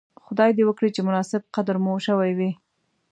خدای دې وکړي چې مناسب قدر مو شوی وی.